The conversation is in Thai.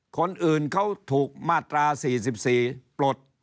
คนอื่นเขาถูกมาตรา๔๔ปลด